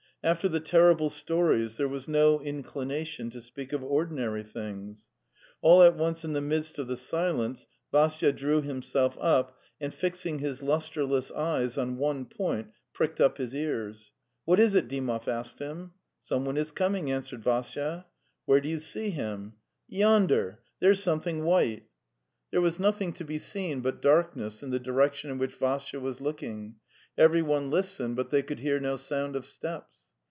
After the terrible stories there was no inclination to speak of ordinary things. All at once in the midst of the silence Vassya drew himself up and, fixing his lustreless eyes on one point, pricked up his ears. 'What is it?'' Dymov asked him. '' Someone is coming," answered Vassya. "Where do you see him?" '""Yo on der! There's something white... ." The Steppe 255 There was nothing to be seen but darkness in the direction in which Vassya was looking; everyone lis tened, but they could hear no sound of steps.